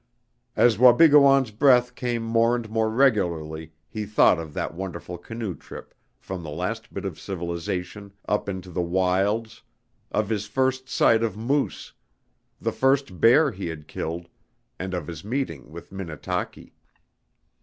As Wabigoon's breath came more and more regularly he thought of that wonderful canoe trip from the last bit of civilization up into the wilds; of his first sight of moose, the first bear he had killed, and of his meeting with Minnetaki.